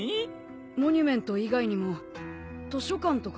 モニュメント以外にも図書館とか。